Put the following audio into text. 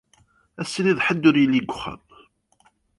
Ad s-tiniḍ ḥedd ur yelli deg uxxam.